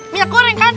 minyak goreng kan